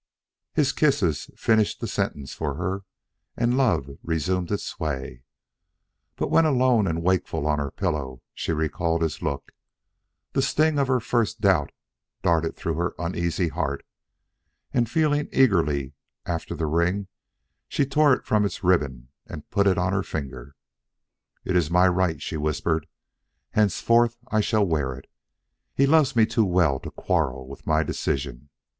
His kisses finished the sentence for her, and love resumed its sway; but when alone and wakeful on her pillow, she recalled his look, the sting of her first doubt darted through her uneasy heart, and feeling eagerly after the ring she tore it from its ribbon and put it on her finger. "It is my right," she whispered. "Henceforth I shall wear it. He loves me too well to quarrel with my decision.